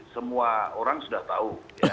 semua orang sudah tahu